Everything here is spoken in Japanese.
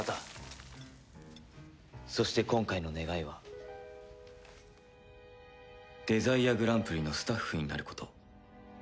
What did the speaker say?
そして今回の願いはデザイアグランプリのスタッフになること。